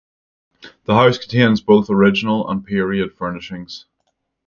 The house contains both original and period furnishings.